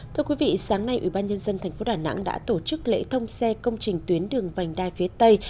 thưa quý vị sáng nay ủy ban nhân dân tp đà nẵng đã tổ chức lễ thông xe công trình tuyến đường vành đai phía tây